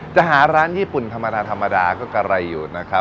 จะหาร้านญี่ปุ่นธรรมดาธรรมดาก็กะไรอยู่นะครับ